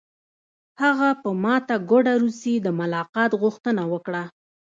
هغه په ماته ګوډه روسي د ملاقات غوښتنه وکړه